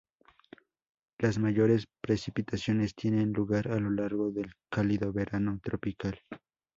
Las mayores precipitaciones tienen lugar a lo largo del cálido verano tropical.